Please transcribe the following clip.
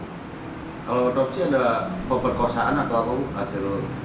kalau otopsi ada pemerkosaan atau apa hasil